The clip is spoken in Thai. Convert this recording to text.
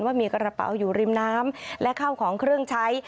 ว่ามีกระเป๋าอยู่ริมน้ำและข้าวของเครื่องใช้